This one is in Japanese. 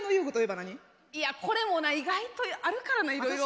いやこれもな意外とあるからないろいろ。